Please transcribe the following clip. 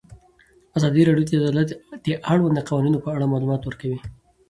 ازادي راډیو د عدالت د اړونده قوانینو په اړه معلومات ورکړي.